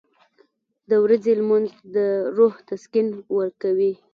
• د ورځې لمونځ د روح تسکین ورکوي.